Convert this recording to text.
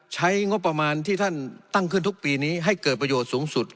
ใช้งบประมาณที่ท่านตั้งขึ้นทุกปีนี้ให้เกิดประโยชน์สูงสุด